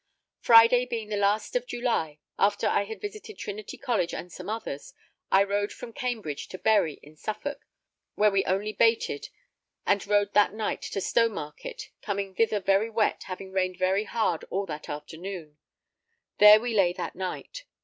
Friday, being last of July, after I had visited Trinity College and some others, I rode from Cambridge to Bury in Suffolk, where we only baited, and rode that night to Stowmarket, coming thither very wet, having rained very hard all that afternoon; there we lay that night.